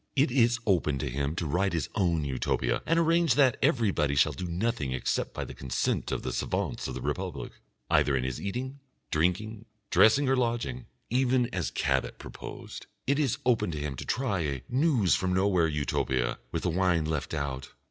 It is open to him to write his own Utopia and arrange that everybody shall do nothing except by the consent of the savants of the Republic, either in his eating, drinking, dressing or lodging, even as Cabet proposed. It is open to him to try a News from Nowhere Utopia with the wine left out.